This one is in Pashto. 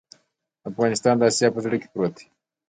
افغانستان د اسیا په زړه کې پروت دی